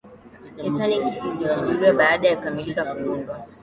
titanic ilizinduliwa baada ya kukamilika kuundwa